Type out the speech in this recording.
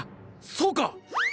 そうか！